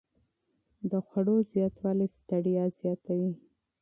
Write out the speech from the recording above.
د خوړو زیاتوالی ستړیا زیاتوي.